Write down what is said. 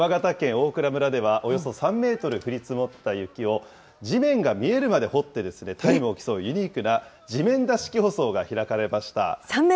大蔵村では、およそ３メートル降り積もった雪を、地面が見えるまで掘って、タイムを競うユニークな地面出し競争が開かれました。